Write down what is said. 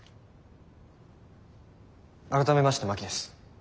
改めまして真木です。